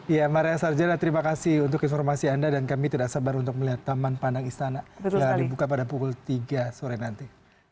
ya maria sarjana terima kasih untuk informasi anda dan kami tidak sabar untuk melihat taman pandang istana yang dibuka pada pukul tiga sore nanti